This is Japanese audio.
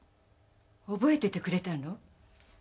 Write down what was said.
覚えててくれたの？